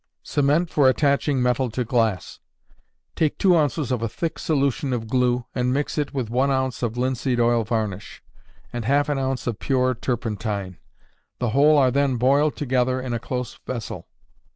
Cement for Attaching Metal to Glass. Take two ounces of a thick solution of glue, and mix it with one ounce of linseed oil varnish, and half an ounce of pure turpentine; the whole are then boiled together in a close vessel.